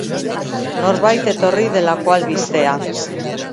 Norbait etorri delako albistea.